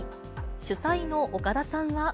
主催の岡田さんは。